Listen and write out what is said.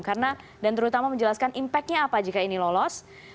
karena dan terutama menjelaskan impact nya apa jika ini lolos